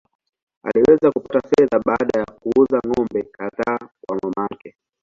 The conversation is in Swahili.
Aliweza kupata fedha baada ya kuuza ng’ombe kadhaa wa mamake.